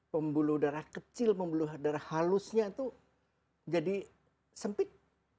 pembuluh darah kecil membuluh darah halusnya itu jadi sempit